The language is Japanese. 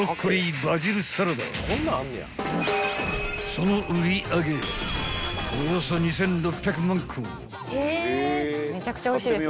［その売り上げおよそ２，６００万個］